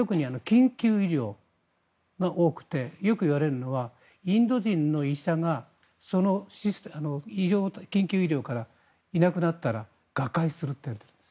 特に緊急医療が多くてよくいわれるのはインド人の医者がその緊急医療からいなくなったら瓦解するといわれているんです。